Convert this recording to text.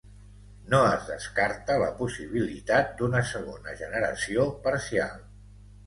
No es descarta la possibilitat d'una segona generació parcial.